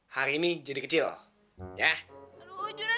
hari ini jadi kecil